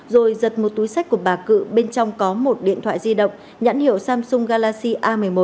rồi giật một túi sách của bà cự bên trong có một điện thoại di động nhãn hiệu samsung galaxy a một mươi một